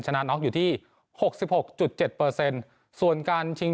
ชนะนอกอยู่ที่หกสิบหกจุดเจ็ดเปอร์เซ็นต์ส่วนการชิง